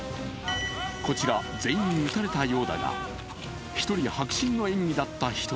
こちら全員撃たれたようだが１人、迫真の演技が。